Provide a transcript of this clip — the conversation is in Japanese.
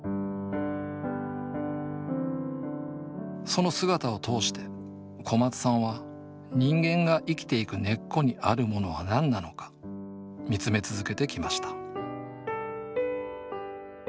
その姿を通して小松さんは人間が生きていく根っこにあるものは何なのかみつめ続けてきました